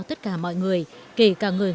tất cả mọi người kể cả người ngoại đạo